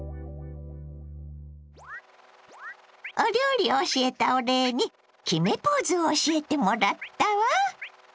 お料理教えたお礼に決めポーズを教えてもらったわ。